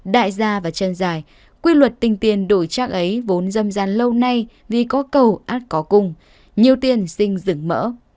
đại gia và chân dài quy luật tinh tiền đổi chắc ấy vốn dâm gian lâu nay vì có cầu át có cung nhiều tiền xinh dựng mỡ